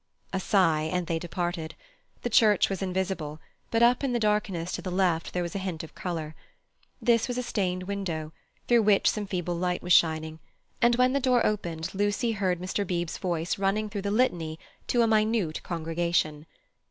A sigh, and they departed. The church was invisible, but up in the darkness to the left there was a hint of colour. This was a stained window, through which some feeble light was shining, and when the door opened Lucy heard Mr. Beebe's voice running through the litany to a minute congregation.